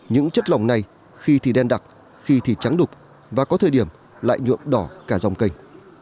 những chất lỏng này khi thì đen đặc khi thì trắng đục và có thời điểm lại nhuộm đỏ cả dòng kênh